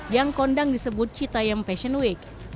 yang kondang disebut citayem fashion week